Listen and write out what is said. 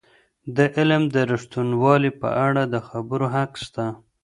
د علم د ریښتینوالی په اړه د خبرو حق سته.